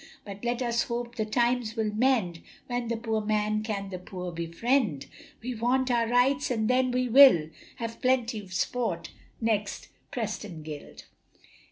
But let us hope the times will mend, When the poor man can the poor befriend, We want our rights and then we will, Have plenty of sport next Preston Guild.